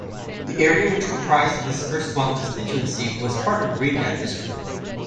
The area which comprised this erstwhile constituency was part of Raigad district.